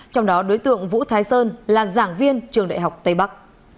trong đó đối tượng vũ thái sơn là giảng viên trường đại học tây bắc